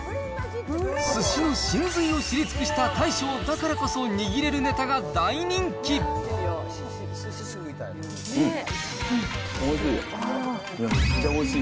すしの神髄を知り尽くした大将だからこそ握れるうん、おいしい。